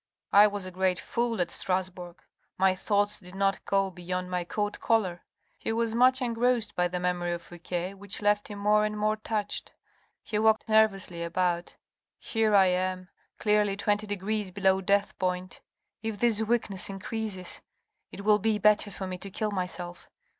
" I was a great fool at Strasbourg. My thoughts did not go beyond my coat collar. He was much engrossed by the memory of Fouque, which left him more and more touched. He walked nervously about. Here I am, clearly twenty degrees below death point ... If this weakness increases, it will be better for me to kill myself.